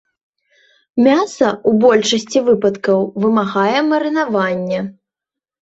Мяса ў большасці выпадкаў вымагае марынавання.